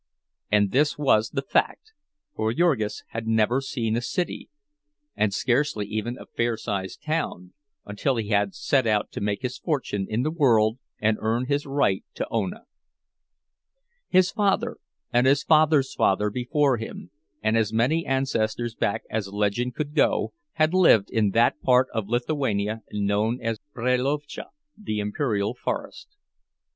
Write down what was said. And this was the fact, for Jurgis had never seen a city, and scarcely even a fair sized town, until he had set out to make his fortune in the world and earn his right to Ona. His father, and his father's father before him, and as many ancestors back as legend could go, had lived in that part of Lithuania known as Brelovicz, the Imperial Forest.